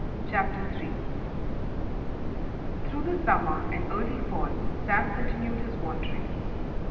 CHAPTER III Through the summer and early fall Sam continued his wanderings.